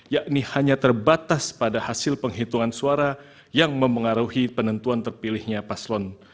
yakni hanya terbatas pada hasil penghitungan suara yang mempengaruhi penentuan terpilihnya paslon